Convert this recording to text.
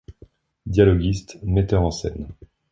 Dialoguiste, metteur en scène.